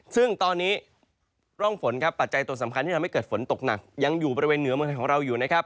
ซึ่งตอนนี้ร่องฝนครับปัจจัยตัวสำคัญที่ทำให้เกิดฝนตกหนักยังอยู่บริเวณเหนือเมืองไทยของเราอยู่นะครับ